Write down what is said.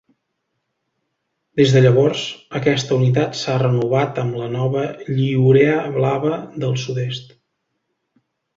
Des de llavors, aquesta unitat s'ha renovat amb la nova lliurea blava del sud-est.